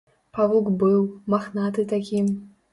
Павук быў, махнаты такі.